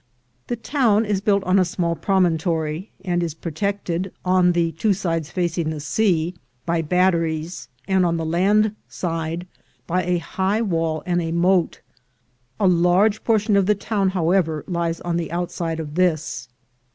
The town is built on a small promontory, and is protected, on the two sides facing the sea, by batter ies, and, on the land side, by a high wall and a moat. A large portion of the town, however, lies on the out side of this.